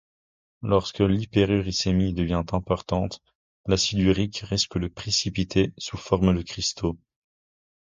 Lorsque l'hyperuricémie devient importante, l'acide urique risque de précipiter sous forme de cristaux.